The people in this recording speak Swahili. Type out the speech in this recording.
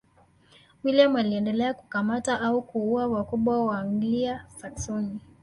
William aliendelea kukamata au kuua wakubwa wa Waanglia-Saksoni.